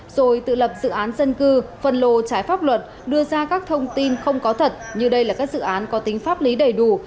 rồi tự lập dự án dân cư phân lô trái pháp luật đưa ra các thông tin không có thật như đây là các dự án có tính pháp lý đầy đủ